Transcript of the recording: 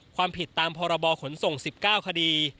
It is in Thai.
ความผิดตามพรบขนส่ง๑๙คดี